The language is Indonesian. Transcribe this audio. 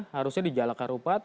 harusnya dijalakkan rupat